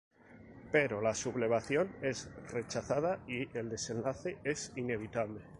Pero la sublevación es rechazada y el desenlace es inevitable.